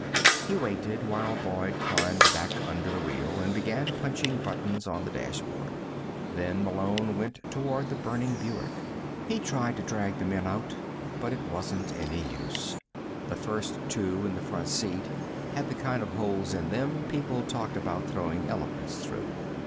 He waited while Boyd climbed back under the wheel and began punching buttons on the dashboard. Then Malone went toward the burning Buick. He tried to drag the men out, but it wasn't any use. The first two, in the front seat, had the kind of holes in them people talked about throwing elephants through.